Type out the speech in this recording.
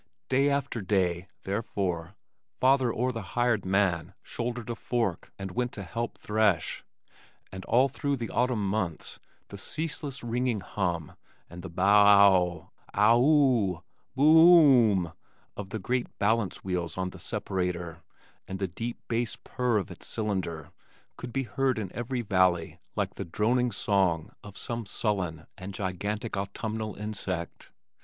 Day after day, therefore, father or the hired man shouldered a fork and went to help thresh, and all through the autumn months, the ceaseless ringing hum and the bow ouw, ouw woo, boo oo oom of the great balance wheels on the separator and the deep bass purr of its cylinder could be heard in every valley like the droning song of some sullen and gigantic autumnal insect.